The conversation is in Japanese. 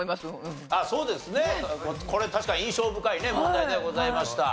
これ確かに印象深い問題ではございました。